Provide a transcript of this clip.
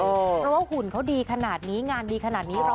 เพราะว่าหุ่นเขาดีขนาดนี้งานดีขนาดนี้